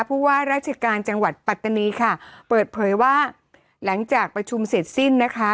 ผู้ว่าราชการจังหวัดปัตตานีค่ะเปิดเผยว่าหลังจากประชุมเสร็จสิ้นนะคะ